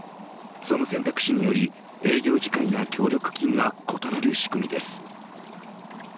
その選択肢により営業時間や協力金が異なる仕組みです。